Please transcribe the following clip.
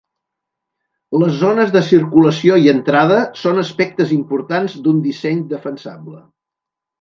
Les zones de circulació i entrada són aspectes importants d'un disseny defensable.